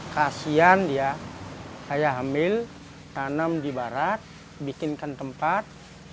kasian ya saya ambil tanam di barat bikinkan tempat